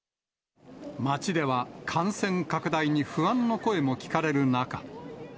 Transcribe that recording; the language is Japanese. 街では感染拡大に不安の声も聞かれる中。